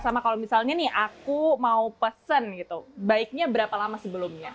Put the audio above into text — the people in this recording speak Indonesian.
sama kalau misalnya nih aku mau pesen gitu baiknya berapa lama sebelumnya